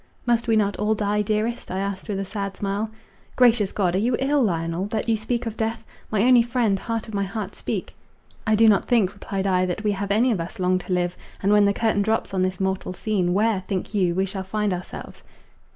"Must we not all die, dearest?" I asked with a sad smile. "Gracious God! are you ill, Lionel, that you speak of death? My only friend, heart of my heart, speak!" "I do not think," replied I, "that we have any of us long to live; and when the curtain drops on this mortal scene, where, think you, we shall find ourselves?"